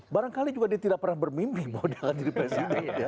barangkali juga dia tidak pernah bermimpi mau dia akan jadi presiden